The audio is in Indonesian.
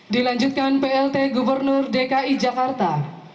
dilanjutkan plt gubernur dki jakarta